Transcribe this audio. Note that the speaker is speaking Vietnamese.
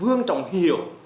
vương trọng hiểu